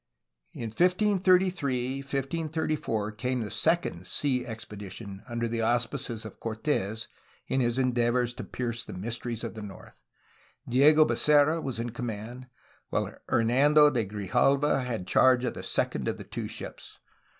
In 1533 1534 came the second sea expedition under the auspices of Cortes in his endeavors to pierce the mysteries of the north. Diego Becerra was in command, while Hernan do de Grijalva had charge of the second of the two ships.